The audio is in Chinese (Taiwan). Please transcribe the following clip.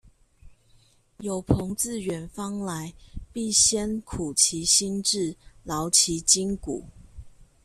有朋自遠方來，必先苦其心志，勞其筋骨